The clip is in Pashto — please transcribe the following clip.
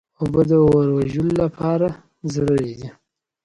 اوبه د اور وژلو لپاره ضروري دي.